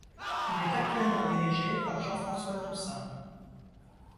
Il est actuellement dirigé par Jean-François Toussaint.